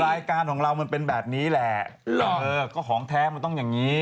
รายการของเรามันเป็นแบบนี้แหละเออก็ของแท้มันต้องอย่างนี้